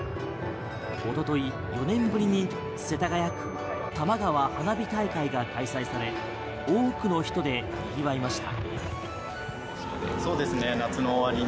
一昨日４年ぶりに世田谷区たまがわ花火大会が開催され多くの人で賑わいました。